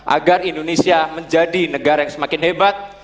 agar indonesia menjadi negara yang semakin hebat